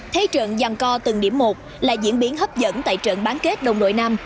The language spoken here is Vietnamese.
thế trận giàn co từng điểm một là diễn biến hấp dẫn tại trận bán kết đồng đội nam